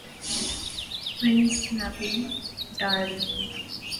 Prince Naveen, darling.